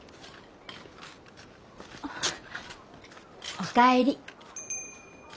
お帰り。